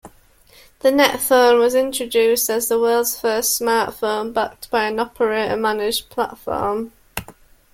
The Netphone was introduced as the world's first smartphone backed by an operator-managed platform.